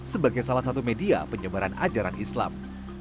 sebagai salah satu media penyebaran ajaran islam